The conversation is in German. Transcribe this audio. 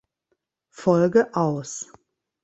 Folge aus.